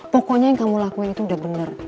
pokoknya yang kamu lakuin itu udah bener